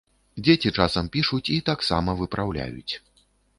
Дзеці часам пішуць і таксама выпраўляюць.